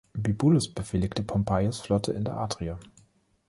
Bibulus befehligte Pompeius’ Flotte in der Adria.